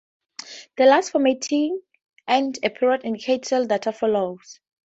The last formatting ends a period indicate cell data follows.